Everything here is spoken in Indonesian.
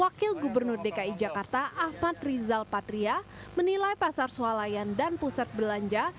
wakil gubernur dki jakarta ahmad rizal patria menilai pasar sualayan dan pusat belanja